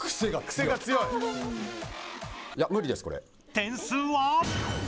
点数は。